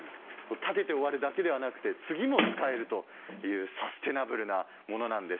建てて終わるのではなく次も使えるというサスティナブルなものなんです。